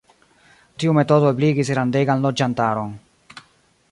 Tiu metodo ebligis grandegan loĝantaron.